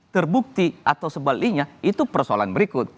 terbukti atau sebaliknya itu persoalan berikut